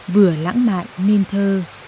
vừa lãng mạn nên thơ